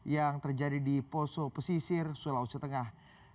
yang terjadi di poso pesisir sulawesi tengah